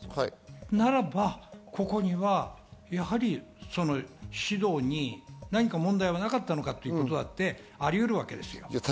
ならば、ここにはやはり指導に何か問題はなかったのかということだってありうるわけですよ。